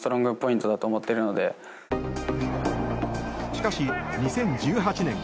しかし、２０１８年。